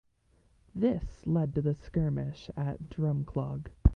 This led to the skirmish at Drumclog.